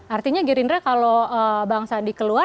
artinya gerindra kalau bang sandi keluar